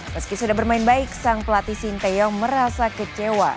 meski sudah bermain baik sang pelatih sinteyong merasa kecewa